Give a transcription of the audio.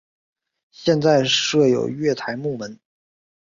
现在设有月台幕门。